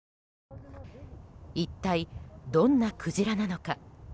一体どんなクジラなのか。